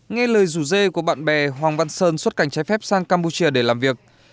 nghe lời rủ dê của bạn bè hoàng văn sơn xuất cảnh trái phép sang campuchia để làm việc